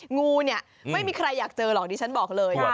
งูเนี่ยไม่มีใครอยากเจอหรอกดิฉันบอกเลย